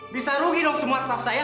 bisa rugi dong semua staff saya